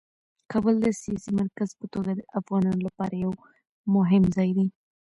کابل د سیاسي مرکز په توګه د افغانانو لپاره یو مهم ځای دی.